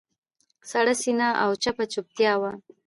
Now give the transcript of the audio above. سړه سینه او چپه چوپتیا وه.